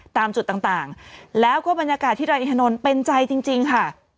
ตามจุดต่างต่างแล้วก็บรรยากาศที่รายงานถนนเป็นใจจริงจริงค่ะ